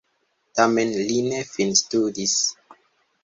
Tamen li ne finstudis.